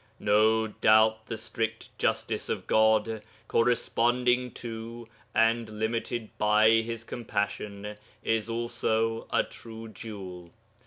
No doubt the strict justice of God, corresponding to and limited by His compassion, is also a true jewel.